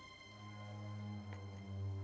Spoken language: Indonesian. kalau dia benar kenapa enggak nanti dia melalui low kaki itu